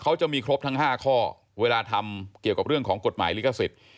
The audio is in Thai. เขาจะมีครบทั้ง๕ข้อเวลาทำเกี่ยวกับเรื่องของกฎหมายลิขสิทธิ์